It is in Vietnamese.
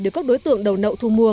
được các đối tượng đầu nậu thu mùa